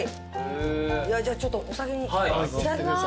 じゃあちょっとお先にいただきます。